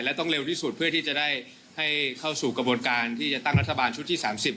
และต้องเร็วที่สุดเพื่อที่จะได้ให้เข้าสู่กระบวนการที่จะตั้งรัฐบาลชุดที่๓๐